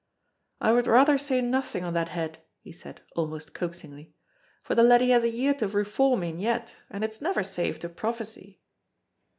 "I would rather say nothing on that head," he said, almost coaxingly, "for the laddie has a year to reform in yet, and it's never safe to prophesy."